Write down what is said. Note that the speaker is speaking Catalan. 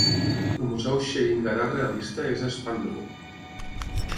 El Museu Scheringa d'art realista és a Spanbroek.